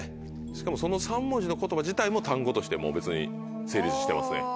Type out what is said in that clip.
しかもその３文字の言葉自体も単語としてもう別に成立してますね。